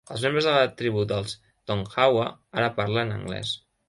Els membres de la tribu dels Tonkawa ara parlen anglès.